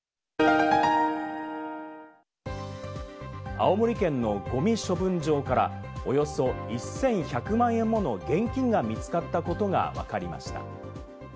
青森県のゴミ処分場からおよそ１１００万円もの現金が見つかったことがわかりました。